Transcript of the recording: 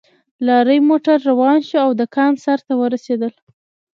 لارۍ موټر روان شو او د کان سر ته ورسېدل